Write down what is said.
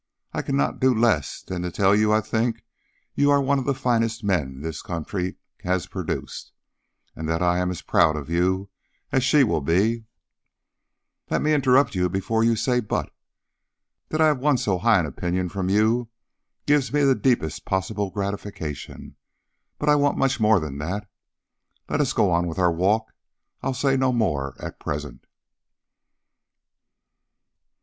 I cannot do less than tell you I think you are one of the finest men this country has produced, and that I am as proud of you as she will be " "Let me interrupt you before you say 'but.' That I have won so high an opinion from you gives me the deepest possible gratification. But I want much more than that. Let us go on with our walk. I'll say no more at present."